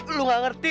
kamu tidak mengerti